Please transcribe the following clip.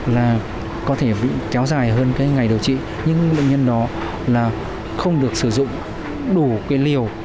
là có thể kéo dài hơn cái ngày điều trị nhưng bệnh nhân đó là không được sử dụng đủ cái liều